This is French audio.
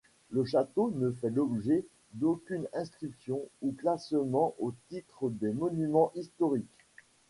Le château ne fait l'objet d'aucune inscription ou classement au titre des monuments historiques.